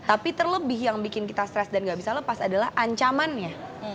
tapi terlebih yang membuat kita stress dan tidak bisa lepas adalah ancamannya